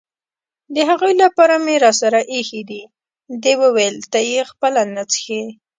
د هغوی لپاره مې راسره اېښي دي، دې وویل: ته یې خپله نه څښې؟